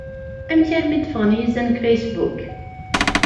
Amek armi d-ffɣen yizan deg Facebook?